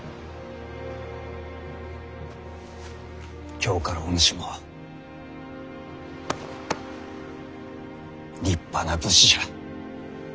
今日からお主も立派な武士じゃ。